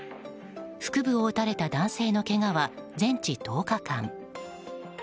腹部を撃たれた男性のけがは全治１０日間。